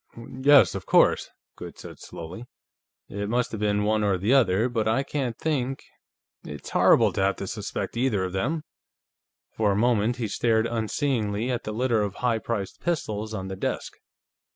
Yes, of course," Goode said slowly. "It must have been one or the other. But I can't think.... It's horrible to have to suspect either of them." For a moment, he stared unseeingly at the litter of high priced pistols on the desk.